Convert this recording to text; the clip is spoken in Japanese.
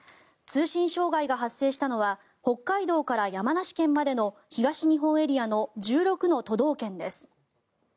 通信障害が発生したのは北海道から山梨県までの東日本エリアの１６の都道県です。